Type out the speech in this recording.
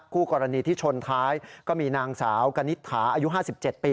คู่กรณีที่ชนท้ายก็มีนางสาวกณิตถาอายุ๕๗ปี